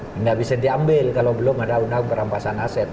tidak bisa diambil kalau belum ada undang perampasan aset